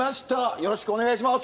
よろしくお願いします。